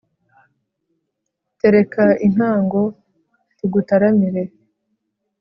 tereka intango tugutaramire